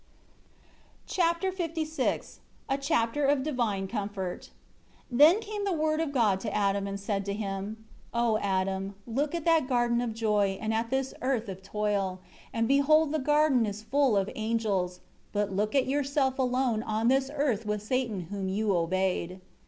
Chapter LVI A chapter of divine comfort. 1 Then came the Word of God to Adam, and said to him: 2 "O Adam, look at that garden of joy and at this earth of toil, and behold the garden is full of angels, but look at yourself alone on this earth with Satan whom you obeyed.